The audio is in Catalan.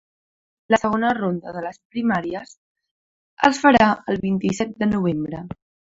La segona ronda de les primàries es farà el vint-i-set de novembre.